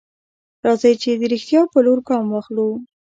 راځئ چې د رښتيا په لور ګام واخلو.